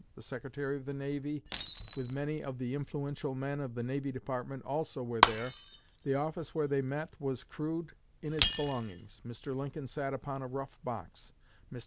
The Secretary of the Navy, with many of the influential men of the Navy Department, also were there. The office where they met was rude in its belongings. Mr. Lincoln sat upon a rough box. Mr.